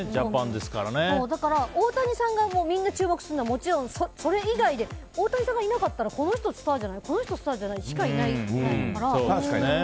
だから、大谷さんがみんな注目するのはもちろんそれ以外でも大谷さんがいなかったらこの人スターじゃないこの人スターじゃないしかいないから。